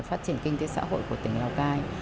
phát triển kinh tế xã hội của tỉnh lào cai